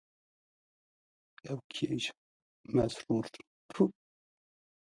Serokwezîrê Herêma Kurdistanê Mesrûr Barzanî Çavkaniyên enerjiyê yên Herêma Kurdistanê hêvîbexş in.